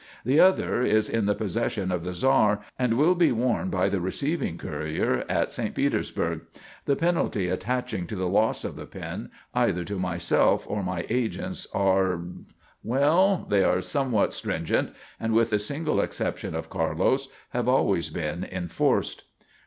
The other is in the possession of the Czar, and will be worn by the receiving courier at St. Petersburg. The penalty attaching to the loss of the pin, either to myself or my agents are well, they are somewhat stringent and, with the single exception of Carlos, have always been enforced."